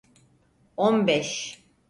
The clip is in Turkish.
On beş.